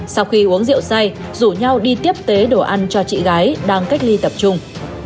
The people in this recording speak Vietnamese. sau khi uống rượu say rủ nhau đi tiếp tế đồ ăn cho chị gái đang cách ly tập trung